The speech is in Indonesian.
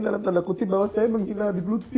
dalam tanda kutip bahwa saya menghina habib lutfi itu aja